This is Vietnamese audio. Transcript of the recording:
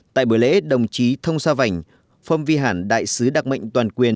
tại bữa lễ đồng chí thông sa vảnh phong vi hẳn đại sứ đặc mệnh toàn quyền